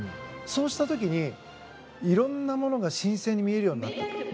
そうした時にいろんなものが新鮮に見えるようになった。